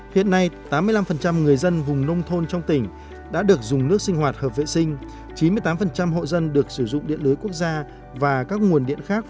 hiện nay tám mươi năm người dân vùng nông thôn trong tỉnh đã được dùng nước sinh hoạt hợp viện